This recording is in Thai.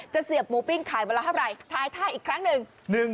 เสียบหมูปิ้งขายวันละเท่าไหร่ถ่ายท่าอีกครั้งหนึ่ง